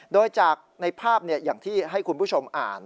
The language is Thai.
โดยจากในภาพอย่างที่ให้คุณผู้ชมอ่าน